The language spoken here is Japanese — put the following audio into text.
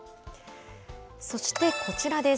そしてこちらです。